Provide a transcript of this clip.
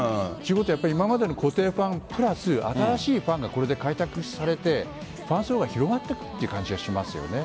今までの固定ファンプラス新しいファンがこれで開拓されてファン層が広がっていく感じがしますよね。